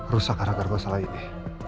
rusak agar agar gue salah ini